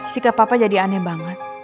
sikap papa jadi aneh banget